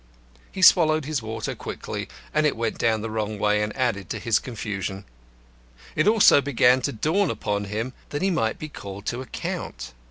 He swallowed his water quickly, and it went the wrong way and added to his confusion. It also began to dawn upon him that he might be called to account.